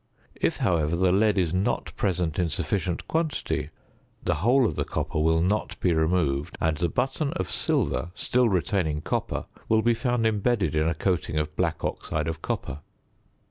If, however, the lead is not present in sufficient quantity, the whole of the copper will not be removed, and the button of silver, still retaining copper, will be found embedded in a coating of black oxide of copper.